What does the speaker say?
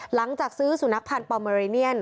หลังจากซื้อสุนัขพันธ์ปอเมริเนียน